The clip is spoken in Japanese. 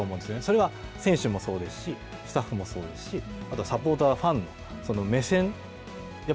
それは選手もそうですし、スタッフもそうですし、あとサポーター、ファン、目線。